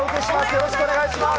よろしくお願いします。